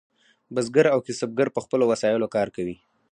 بزګر او کسبګر په خپلو وسایلو کار کوي.